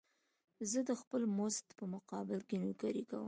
زه د خپل مزد په مقابل کې نوکري کوم